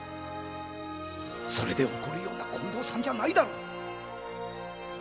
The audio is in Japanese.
それで怒るような近藤さんじゃないだろう。